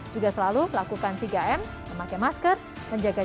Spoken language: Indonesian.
juga selalu lakukan tiga m memakai masker dan berhenti